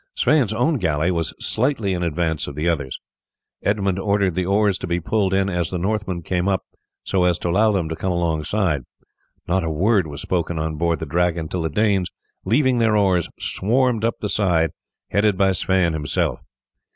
Sweyn's own galley was slightly in advance of the others. Edmund ordered the oars to be pulled in as the Northmen came up, so as to allow them to come alongside. Not a word was spoken on board the Dragon till the Danes, leaving their oars, swarmed up the side headed by Sweyn himself.